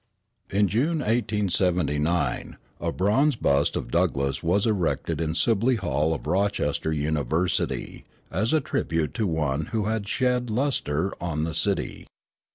In June, 1879, a bronze bust of Douglass was erected in Sibley Hall of Rochester University as a tribute to one who had shed lustre on the city.